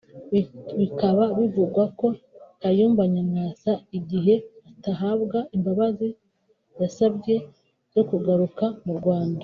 Bikaba bivugwa ko Kayumba Nyamwasa igihe atahabwa imbabazi yasabye zo kugaruka mu Rwanda